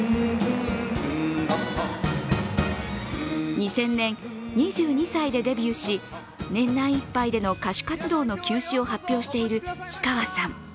２０００年、２２歳でデビューし年内いっぱいでの歌手活動の休止を発表している氷川さん。